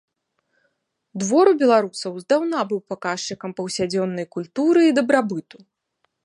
Двор у беларусаў здаўна быў паказчыкам паўсядзённай культуры і дабрабыту.